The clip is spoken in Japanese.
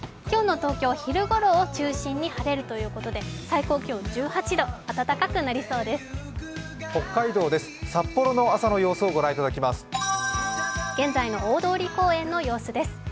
今日の東京、昼ごろを中心に晴れるということで、最高気温１８度暖かくなりそうです。